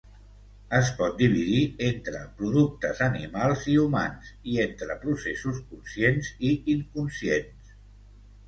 Es pot dividir entre productes animals i humans i entre processos conscients i inconscients.